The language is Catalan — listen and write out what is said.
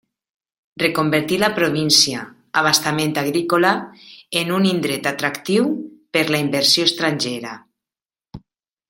Reconvertí la província, abastament agrícola, en un indret atractiu per la inversió estrangera.